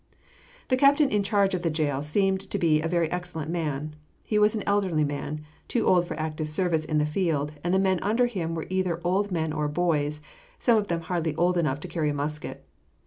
The captain in charge of the jail seemed to be a very excellent man. He was an elderly man, too old for active service in the field, and the men under him were either old men or boys, some of them hardly old enough to carry a musket.